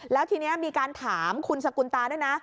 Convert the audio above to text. แล้วทีนี้มีการถามคุณสกุลตาด้วยนะ